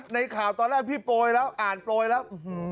ในข่าวตอนแรกพี่โปรยแล้วอ่านโปรยแล้ว